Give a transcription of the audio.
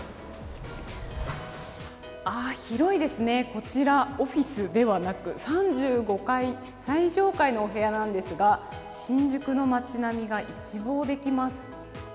広いですね、こちらオフィスではなく３５階最上階のお部屋なんですが、新宿の街並みが一望できます。